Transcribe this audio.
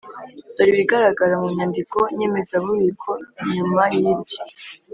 Dore ibigaragara mu nyandiko nyemezabubiko nyuma y’ibyo